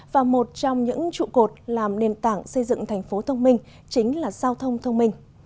và một trong những trụ cột làm nền tảng xây dựng thành phố thông minh chính là giao thông thông minh